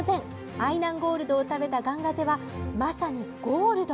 愛南ゴールドを食べたガンガゼは、まさにゴールド。